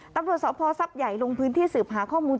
ตำรวจสพท์ใหญ่ลงพื้นที่สืบหาข้อมูล